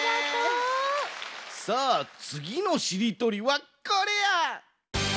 さあつぎのしりとりはこれや！